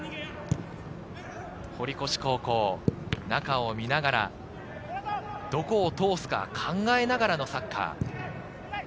堀越高校、中を見ながらどこを通すか考えながらのサッカー。